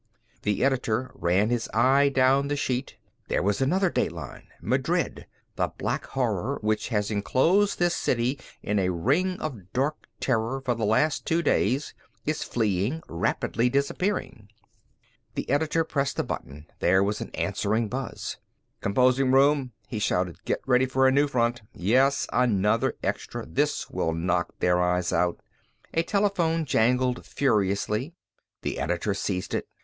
The editor ran his eye down the sheet. There was another dateline: "Madrid The Black Horror, which has enclosed this city in a ring of dark terror for the last two days, is fleeing, rapidly disappearing...." The editor pressed a button. There was an answering buzz. "Composing room," he shouted, "get ready for a new front! Yes, another extra. This will knock their eyes out!" A telephone jangled furiously. The editor seized it.